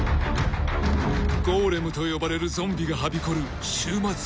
ゴーレムと呼ばれるゾンビがはびこる終末